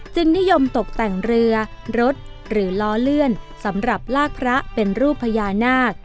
นิยมตกแต่งเรือรถหรือล้อเลื่อนสำหรับลากพระเป็นรูปพญานาค